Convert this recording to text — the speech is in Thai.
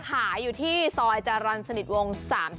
ขายอยู่ที่ซอยจรรย์สนิทวง๓๐